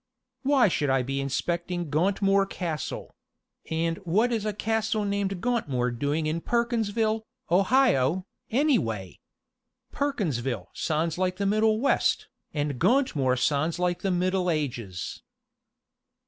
"Why should I be inspecting Gauntmoor Castle and what is a castle named Gauntmoor doing in Perkinsville, Ohio, anyway? Perkinsville sounds like the Middle West, and Gauntmoor sounds like the Middle Ages."